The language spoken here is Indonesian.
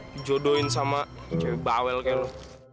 dijodohin sama cewek bawel kayak lu